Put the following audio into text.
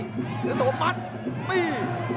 เพชรเจ้าโสมัดตี